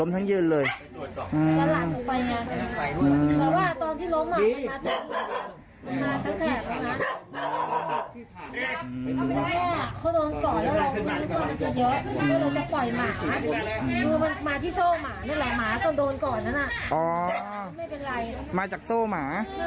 ฮ่าฮ่า